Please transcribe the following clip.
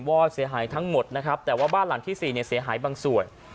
อดเสียหายทั้งหมดนะครับแต่ว่าบ้านหลังที่สี่เนี่ยเสียหายบางส่วน